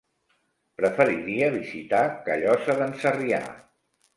Preferiria visitar Callosa d'en Sarrià.